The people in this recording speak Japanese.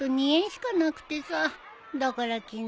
だから昨日。